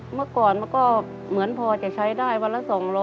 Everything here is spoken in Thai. เมื่อก่อนมันก็เหมือนพอจะใช้ได้วันละ๒๐๐